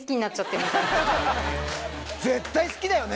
絶対好きだよね？